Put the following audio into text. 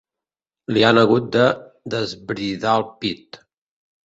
Li han hagut de desbridar el pit.